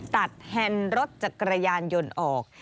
แฮนด์รถจักรยานยนต์ออก